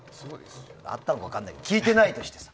いや、あったかも分かんないけど聴いてないとしてさ。